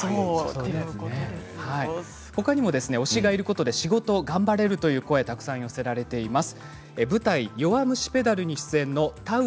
ほかにも推しがいることで仕事を頑張れるという声寄せられています。